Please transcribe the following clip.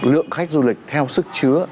lượng khách du lịch theo sức chứa